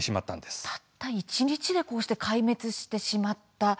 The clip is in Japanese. たった一日でこうして壊滅してしまった。